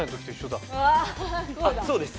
あっそうです。